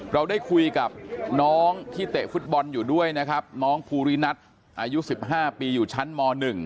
เราได้คุยกับน้องที่เตะฟุตบอลอยู่ด้วยนะครับน้องภูรินัทอายุ๑๕ปีอยู่ชั้นม๑